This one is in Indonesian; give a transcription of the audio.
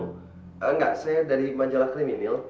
tidak saya dari manjala kriminal